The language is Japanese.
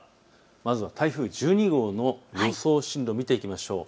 まずは台風１２号の予想進路を見ていきましょう。